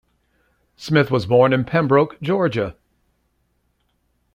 Smith was born in Pembroke, Georgia.